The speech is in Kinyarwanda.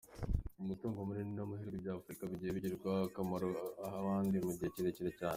Umutungo munini n’amahirwe bya Afurika byagiye bigirira akamaro abandi, mu gihe kirekire cyane.